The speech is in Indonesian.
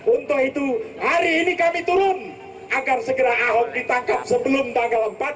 untuk itu hari ini kami turun agar segera ahok ditangkap sebelum tanggal empat